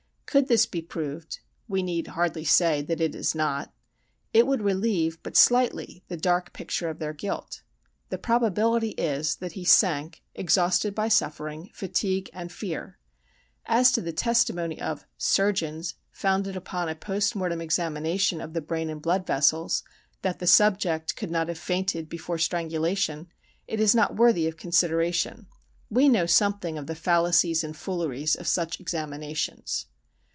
Could this be proved (we need hardly say that it is not), it would relieve but slightly the dark picture of their guilt. The probability is that he sank, exhausted by suffering, fatigue and fear. As to the testimony of "surgeons," founded upon a post mortem examination of the brain and blood vessels, "that the subject could not have fainted before strangulation," it is not worthy of consideration. We know something of the fallacies and fooleries of such examinations.